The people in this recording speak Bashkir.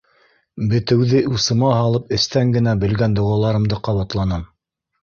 Бетеүҙе усыма һалып, эстән генә белгән доғаларымды ҡабатланым: